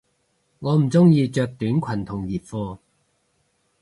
我唔鍾意着短裙同熱褲